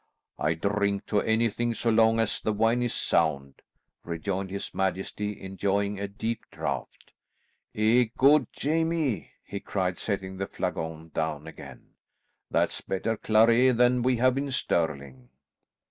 "I drink to anything, so long as the wine is sound," rejoined his majesty, enjoying a deep draught. "E god, Jamie," he cried setting the flagon down again, "that's better claret than we have in Stirling."